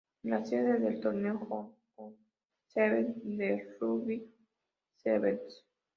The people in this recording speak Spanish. Es la sede del torneo Hong Kong Sevens de rugby sevens.